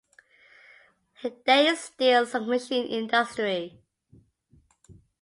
There is still some machine industry.